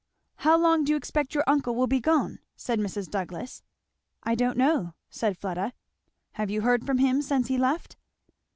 "How long do you expect your uncle will be gone?" said Mrs. Douglass. "I do not know," said Fleda. "Have you heard from him since he left?"